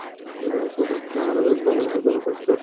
আর একভাবে তো, এটা অনেকটা সঠিক।